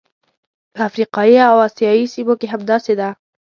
په افریقایي او اسیايي سیمو کې همداسې ده.